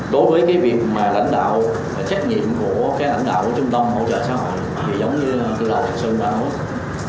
đối với việc lãnh đạo trách nhiệm của lãnh đạo trung tâm hỗ trợ xã hội thì giống như lãnh đạo trần sơn đã nói